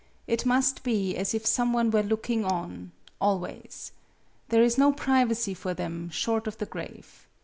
It must be as if some one were looking on always. There is no privacy for them short of the grave.